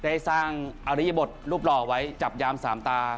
ได้สร้างอริยบทรูปหล่อไว้จับยามสามตา